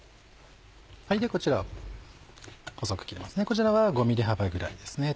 こちらは５ｍｍ幅ぐらいですね。